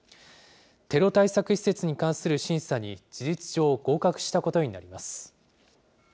テロ対策施設に関する審査に事実上、合格したことになります。